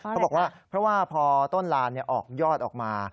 เพราะว่าพอต้นลานเนี่ยออกยอดออกมา